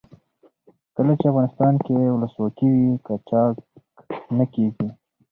کله چې افغانستان کې ولسواکي وي قاچاق نه کیږي.